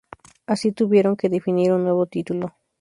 Así, tuvieron que definir un nuevo título.